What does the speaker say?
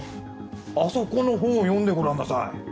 あそこの本を読んでごらんなさい。